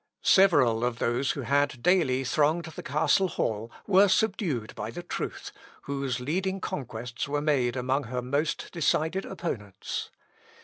Several of those who had daily thronged the castle hall were subdued by the truth, whose leading conquests were made among her most decided opponents.